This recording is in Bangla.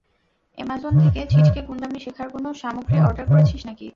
এমাজন থেকে ছিচকে গুণ্ডামি শেখার কোনো সামগ্রী অর্ডার করেছিস নাকি?